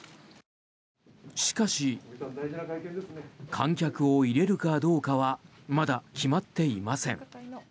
しかし観客を入れるかどうかはまだ決まっていません。